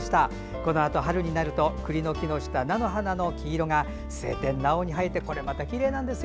このあと春になるとくりの木の下、菜の花の黄色が晴天の青に映えてこれまたきれいなんですよ。